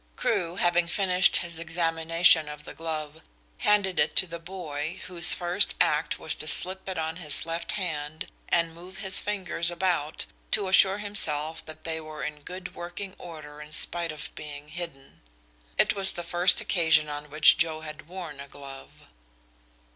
Crewe, having finished his examination of the glove, handed it to the boy, whose first act was to slip it on his left hand and move his fingers about to assure himself that they were in good working order in spite of being hidden. It was the first occasion on which Joe had worn a glove.